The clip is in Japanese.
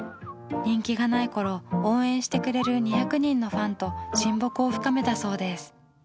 人気がない頃応援してくれる２００人のファンと親睦を深めたそうです。